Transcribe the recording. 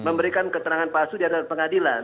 memberikan keterangan palsu di atas pengadilan